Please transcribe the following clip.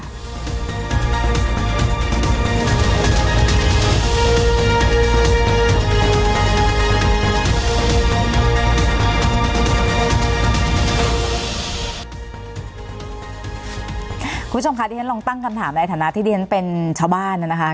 คุณผู้ชมคะที่ฉันลองตั้งคำถามในฐานะที่ดิฉันเป็นชาวบ้านนะคะ